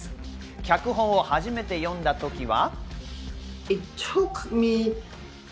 脚本を初めて読んだときは。